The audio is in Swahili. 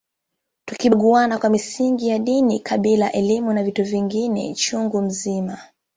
Tukibaguana kwa misingi ya dini kabila elimu na vitu vingine chungu mzima